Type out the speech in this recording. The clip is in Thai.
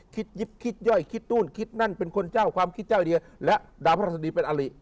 คิดยิบคิดย่อยคิดตู้นคิดนั่นเป็นคนเจ้าความคิดเจ้าอย่างเดียวและดาวพระศัตริย์เป็นอะไร